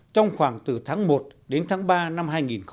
trong khoảng từ tháng một đến tháng ba năm hai nghìn một mươi tám